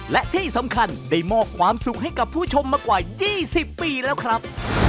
และที่สำคัญได้มอบความสุขให้กับผู้ชมมากว่า๒๐ปีแล้วครับ